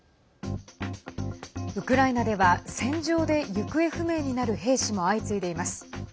ウクライナでは戦場で行方不明になる兵士も相次いでいます。